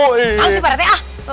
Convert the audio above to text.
kamu sih pak rete